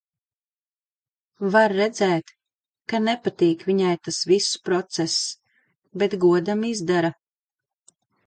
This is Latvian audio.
Var redzēt, ka nepatīk viņai tas viss process, bet godam izdara.